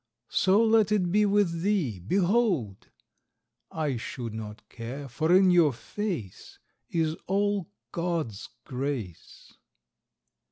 So let it be with thee, behold!_ I should not care, for in your face Is all GOD'S grace.